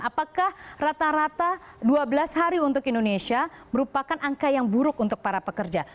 apakah rata rata dua belas hari untuk indonesia merupakan angka yang buruk untuk para pekerja